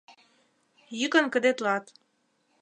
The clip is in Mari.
Йӱкын кыдетлат.